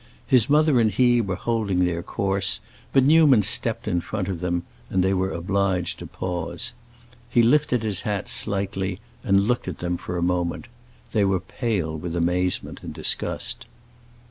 His mother and he were holding their course, but Newman stepped in front of them, and they were obliged to pause. He lifted his hat slightly, and looked at them for a moment; they were pale with amazement and disgust.